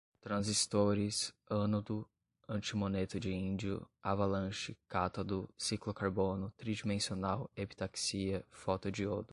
transistores, ânodo, antimoneto de índio, avalanche, cátodo, ciclocarbono, tridimensional, epitaxia, fotodiodo